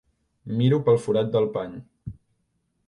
Miro pel forat del pany.